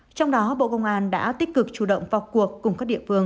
trong đó bộ công an đã tích cực chủ động vào cuộc cùng các địa phương